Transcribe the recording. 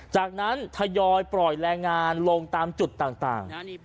จากนั้นทยอยปล่อยแรงงานลงตามจุดต่าง